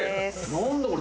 何だこれ！